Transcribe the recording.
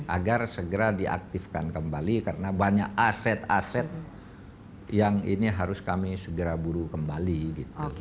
agar segera diaktifkan kembali karena banyak aset aset yang ini harus kami segera buru kembali gitu